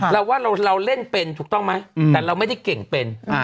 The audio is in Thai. เราว่าเราเล่นเป็นถูกต้องไหมแต่เราไม่ได้เก่งเป็น